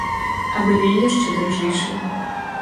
А былі і яшчэ даражэйшыя.